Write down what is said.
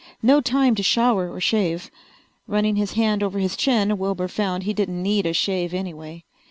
No time to shower or shave. Running his hand over his chin Wilbur found he didn't need a shave anyway.